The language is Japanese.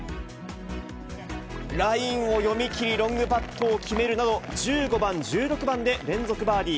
ラインを読み切り、ロングパットを決めるなど、１５番、１６番で連続バーディー。